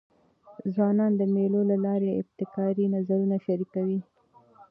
ځوانان د مېلو له لاري ابتکاري نظرونه شریکوي.